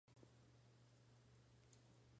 Floyd Mayweather Jr.